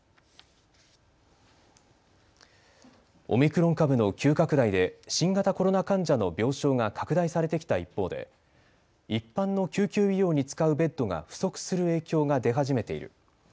オミクロン株の急拡大で新型コロナ患者の病床が拡大されてきた一方で一般の救急医療に使うベッドが不足する影響が出始めている。